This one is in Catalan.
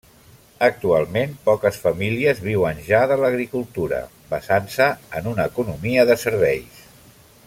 Actualment poques famílies viuen ja de l'agricultura basant-se en una economia de serveis.